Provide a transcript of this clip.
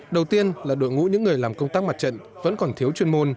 đầu tiên là đội ngũ những người làm công tác mặt trận vẫn còn thiếu chuyên môn